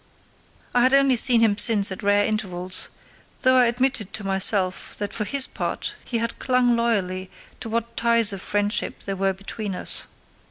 I had only seen him since at rare intervals, though I admitted to myself that for his part he had clung loyally to what ties of friendship there were between us.